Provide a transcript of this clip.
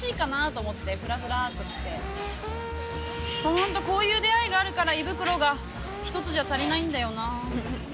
ホントこういう出合いがあるから胃袋が１つじゃ足りないんだよな。